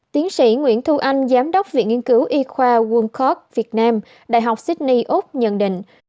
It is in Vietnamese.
tiến sĩ nguyễn thu anh giám đốc viện nghiên cứu y khoa world cort việt nam đại học sydney úc nhận định